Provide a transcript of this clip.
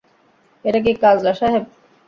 এটা কি কাজলা সাহেব?